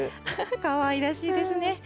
かわいらしいですね。